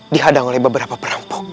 dihadang oleh beberapa perampok